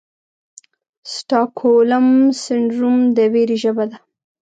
سټاکهولم سنډروم د ویرې ژبه ده.